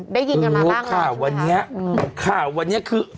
ได้ยินกันมาบ้างหรือเปล่าใช่ไหมคะอืมค่ะวันนี้คือ